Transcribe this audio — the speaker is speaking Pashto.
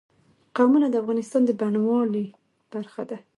قومونه د افغانستان د بڼوالۍ برخه ده.